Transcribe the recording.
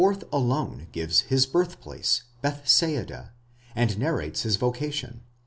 331: alone gives his birth place, Bethsaida, and narrates his vocation (i.